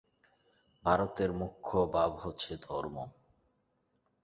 ভারতের মুখ্য ভাব হচ্ছে ধর্ম।